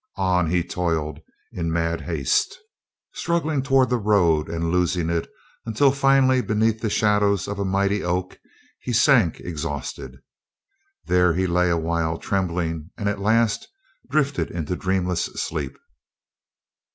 On he toiled in mad haste, struggling toward the road and losing it until finally beneath the shadows of a mighty oak he sank exhausted. There he lay a while trembling and at last drifted into dreamless sleep.